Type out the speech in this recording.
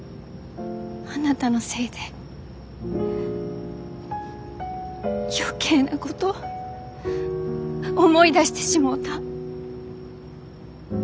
あなたのせいで余計なこと思い出してしもうた。